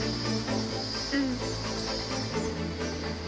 うん。